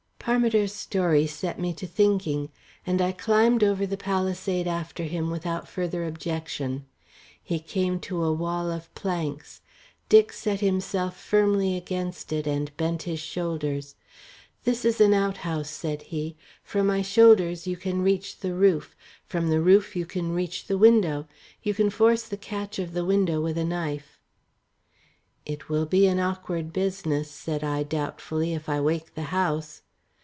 Parmiter's story set me thinking, and I climbed over the palisade after him without further objection. He came to a wall of planks; Dick set himself firmly against it and bent his shoulders. "This is an outhouse," said he. "From my shoulders you can reach the roof. From the roof you can reach the window. You can force the catch of the window with a knife." "It will be an awkward business," said I doubtfully, "if I wake the house."